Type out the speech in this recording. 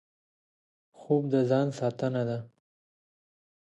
خوب د ځان ساتنه ده